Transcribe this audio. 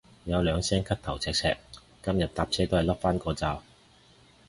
有兩聲咳頭赤赤，今日搭車都係笠返個罩